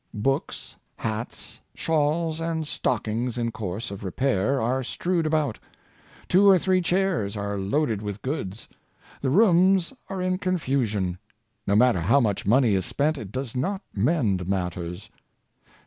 Books, hats, shawls, and stockings in course of repair, are strewed about. Two or three chairs are loaded with goods. The rooms are in confusion. No matter how much money is spent, it does not mend matters.